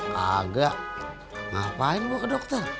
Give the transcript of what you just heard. kagak ngapain bu ke dokter